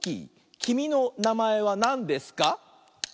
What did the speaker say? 「きみのなまえはなんですか？」